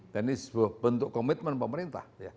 dan ini sebuah bentuk komitmen pemerintah